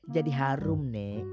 jadi harum nek